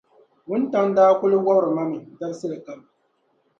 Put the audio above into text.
Wuntaŋ’ daa kul wɔbiri ma mi dabisili kam.